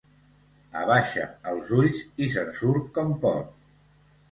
Abaixa els ulls i se'n surt com pot.